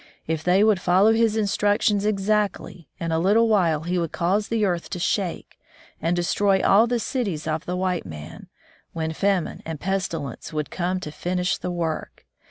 If they would follow His instructions exactly, in a little while He would cause the earth to shake and destroy all the cities of the white man, when famine and pestilence would come to finish the work.